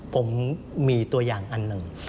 ผมมีตัวอย่างอันหนึ่ง